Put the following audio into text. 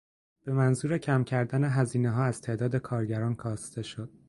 بهمنظور کم کردن هزینهها از تعداد کارگران کاسته شد.